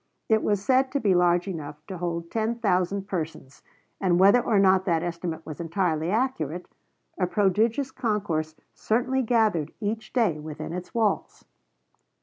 It was said to be large enough to hold ten thousand persons, and whether or not that estimate was entirely accurate, a prodigious concourse certainly gathered each day within its walls.